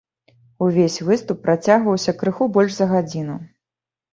Увесь выступ працягваўся крыху больш за гадзіну.